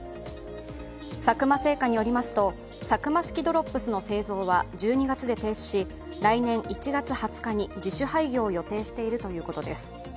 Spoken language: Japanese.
佐久間製菓によりますとサクマ式ドロップスの製造は１２月で停止し、来年１月２０日に自主廃業を予定しているということです。